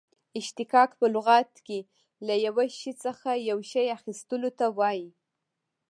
اشتقاق په لغت کښي له یوه شي څخه یو شي اخستلو ته وايي.